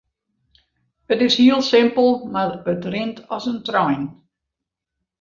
It is hiel simpel mar it rint as in trein.